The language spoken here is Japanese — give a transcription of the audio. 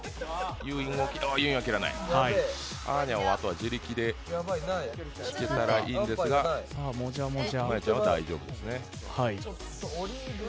ユーインは切らない、アーニャはあとは自力で引けたらいいんですが、真悠ちゃんは大丈夫ですね。